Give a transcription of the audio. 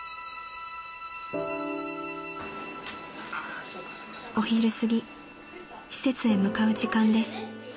［お昼すぎ施設へ向かう時間です］